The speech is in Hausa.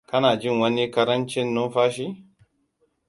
kana jin wani ƙarancin numfashi?